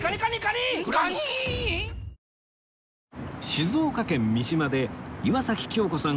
静岡県三島で岩崎恭子さん